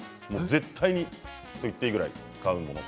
絶対にと言っていいくらい使うもの。